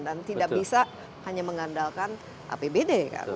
dan tidak bisa hanya mengandalkan apbd